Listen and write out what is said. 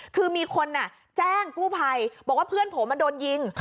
คือมีคนแจ้งกู้ภัยบอกว่าเพื่อนผมโดนยิง